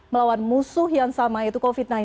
melawan musuh yang sama yaitu covid sembilan belas